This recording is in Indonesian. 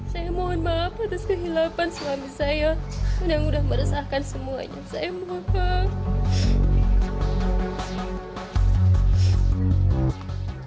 saya mohon maaf atas kehilapan suami saya yang sudah meresahkan semuanya saya mohon maaf